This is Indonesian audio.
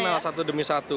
mulai kenal satu demi satu